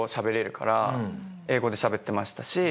英語でしゃべってましたし。